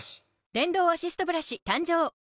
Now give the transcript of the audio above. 電動アシストブラシ誕生！